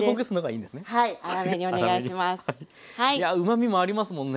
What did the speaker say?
いやうまみもありますもんね。